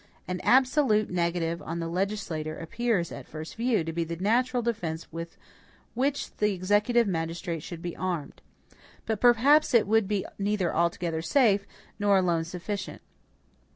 An absolute negative on the legislature appears, at first view, to be the natural defense with which the executive magistrate should be armed. But perhaps it would be neither altogether safe nor alone sufficient.